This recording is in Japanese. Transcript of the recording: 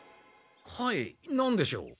はいなんでしょう？